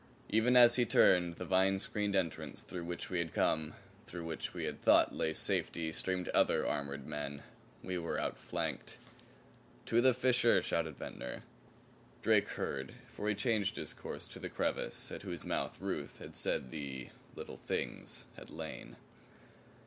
Even as he turned, the vine screened entrance through which we had come, through which we had thought lay safety, streamed other armored men. We were outflanked. "To the fissure!" shouted Ventnor. Drake heard, for he changed his course to the crevice at whose mouth Ruth had said the Little Things had lain.